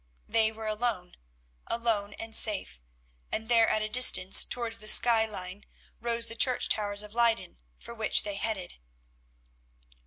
They were alone—alone and safe, and there at a distance towards the skyline rose the church towers of Leyden, for which they headed.